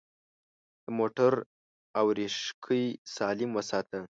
د موټر اورېښکۍ سالم وساته.